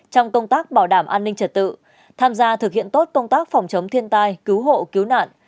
trong công tác bảo đảm an ninh trật tự tham gia thực hiện tốt công tác phòng chống thiên tai cứu hộ cứu nạn